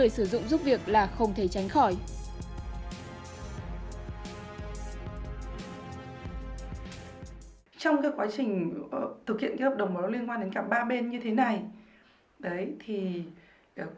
sức khỏe thì bên em không có giấy chị ạ